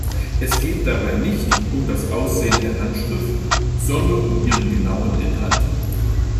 Es geht dabei nicht um das Aussehen der Handschrift, sondern um ihren genauen Inhalt.